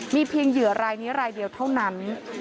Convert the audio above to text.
มีเพียงเหยื่อรายนี้รายเดียวเท่านั้น